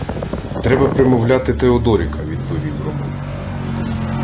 — Треба примовляти Теодоріка, — відповів Ромул.